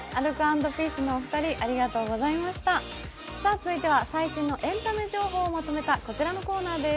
続いては最新のエンタメ情報をまとめたこちらのコーナーです。